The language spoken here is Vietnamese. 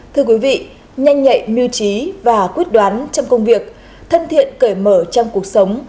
thưa quý vị nhanh nhạy mưu trí và quyết đoán trong công việc thân thiện cởi mở trong cuộc sống